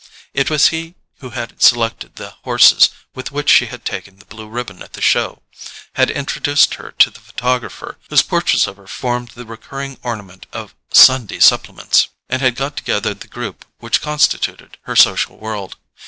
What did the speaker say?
It was he who had selected the horses with which she had taken the blue ribbon at the Show, had introduced her to the photographer whose portraits of her formed the recurring ornament of "Sunday Supplements," and had got together the group which constituted her social world.